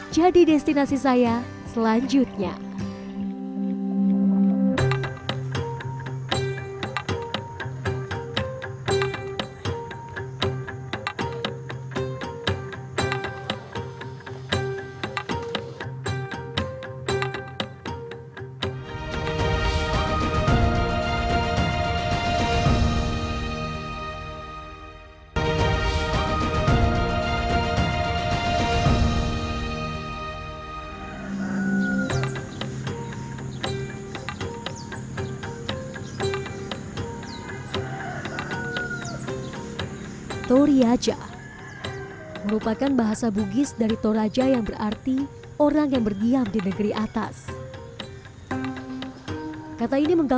jadi destinasi saya selanjutnya